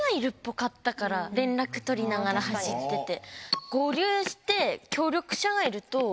連絡取りながら走ってて。